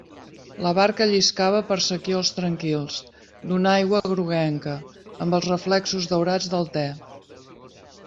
La barca lliscava per sequiols tranquils, d'una aigua groguenca, amb els reflexos daurats del te.